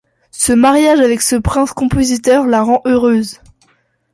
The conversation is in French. Ce mariage avec ce prince compositeur la rend heureuse.